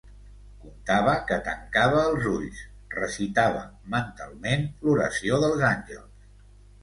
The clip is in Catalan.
Contava que tancava els ulls, recitava mentalment l’oració dels àngels.